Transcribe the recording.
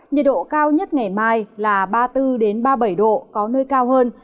nhiệt độ cao nhất ngày mai là ba mươi bốn ba mươi bảy độ có nơi cao hơn